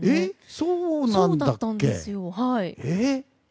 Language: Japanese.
そうだったんですよ。